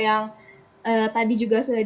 yang tadi juga sudah